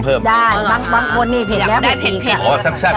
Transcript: รูละ๔๐๐บาท